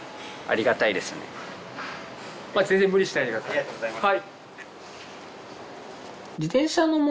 ありがとうございます。